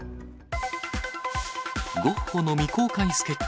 ゴッホの未公開スケッチ。